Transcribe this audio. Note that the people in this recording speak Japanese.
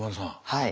はい。